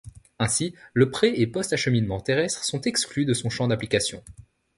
Ainsi, le pré et post acheminement terrestre sont exclus de son champ d’application.